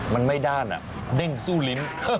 มันไม่ด้านเด้งสู้ลิ้น